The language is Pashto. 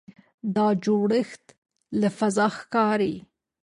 دا جوړښت له فضا ښکاري.